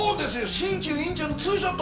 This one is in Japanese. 新旧院長のツーショット。